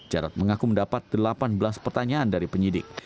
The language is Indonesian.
jarod mengaku mendapat delapan belas pertanyaan dari penyidik